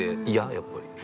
やっぱり。